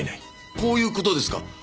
こういう事ですか？